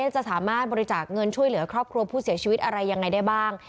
จะสามารถบริจาคเงินช่วยเหลือครอบครัวผู้เสียชีวิตอะไรยังไงได้บ้าง